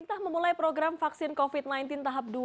pemerintah memulai program vaksin covid sembilan belas tahap dua